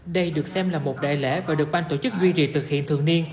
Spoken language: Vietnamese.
đây được xem là một đại lễ và được ban tổ chức duy trì thực hiện thường niên